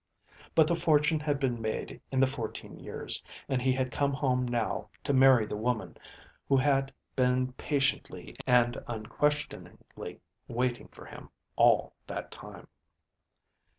But the fortune had been made in the fourteen years, and he had come home now to marry the woman who had been patiently and unquestioningly waiting for him all that time.